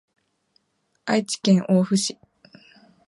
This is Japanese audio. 愛知県大府市